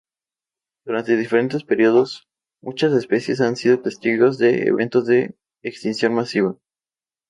Durante diferentes períodos muchas especies han sido testigos de eventos de extinción masiva.